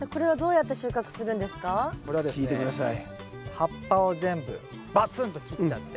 葉っぱを全部ばつんと切っちゃって。